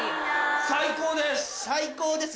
最高です！